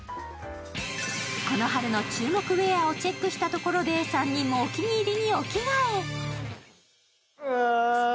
この春の注目ウェアをチェックしたところで、３人もお気に入りにお着替え。